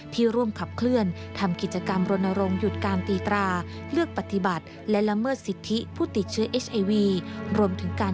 ที่ร่วมขับเคลื่อนทำกิจกรรมโรนโรงหยุดการตีตรา